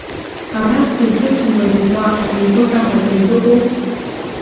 Арахьгьы дзықәымлаӡеит уаҳа, игәы каҳаӡаны дыҟоу?